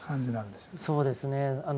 そうですねあの。